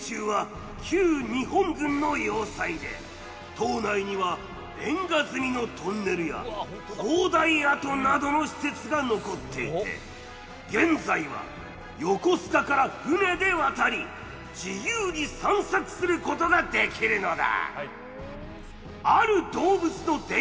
島内にはレンガ積みのトンネルや灯台跡などの施設が残っていて現在は横須賀から船で渡り自由に散策する事ができるのだ。